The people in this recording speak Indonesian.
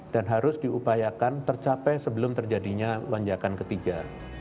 dan harus diupayakan tercapai sebelum terjadinya lonjakan ketiga